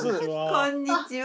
こんにちは。